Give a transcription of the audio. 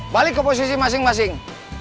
balik ke posisi masing masing